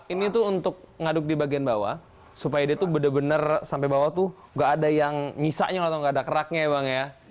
ini tuh untuk ngaduk di bagian bawah supaya dia tuh bener bener sampai bawah tuh gak ada yang nyisanya atau nggak ada keraknya ya bang ya